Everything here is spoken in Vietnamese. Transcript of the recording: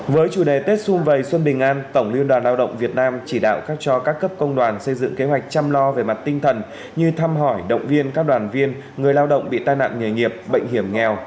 với chủ đề tết xuân vầy xuân bình an tổng liên đoàn lao động việt nam chỉ đạo các cho các cấp công đoàn xây dựng kế hoạch chăm lo về mặt tinh thần như thăm hỏi động viên các đoàn viên người lao động bị tai nạn nghề nghiệp bệnh hiểm nghèo